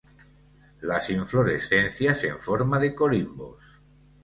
Las inflorescencias en forma de corimbos.